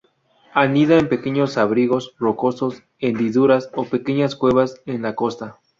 Anida en pequeños abrigos rocosos, hendiduras o pequeñas cuevas en la costa.